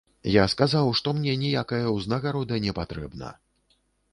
Я сказаў, што мне ніякая ўзнагарода не патрэбна.